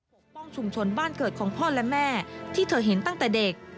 กป้องชุมชนบ้านเกิดของพ่อและแม่ที่เธอเห็นตั้งแต่เด็ก